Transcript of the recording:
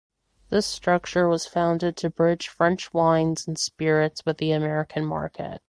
This structure was founded to bridge French wines and spirits with the American market.